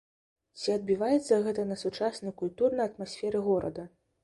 Ці адбіваецца гэта на сучаснай культурнай атмасферы горада?